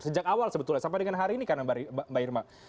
sejak awal sebetulnya sampai dengan hari ini karena mbak irma